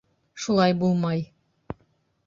Шулай булмай!